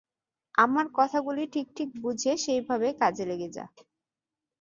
আমার কথাগুলি ঠিক ঠিক বুঝে সেইভাবে কাজে লেগে যা।